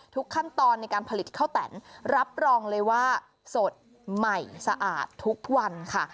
ขั้นตอนในการผลิตข้าวแตนรับรองเลยว่าสดใหม่สะอาดทุกวันค่ะ